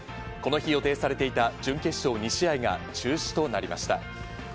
この日予定されていた準決勝２試合が中止となりました。